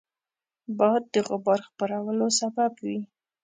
باد د غبار خپرولو سبب وي